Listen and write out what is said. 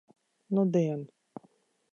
Nudien.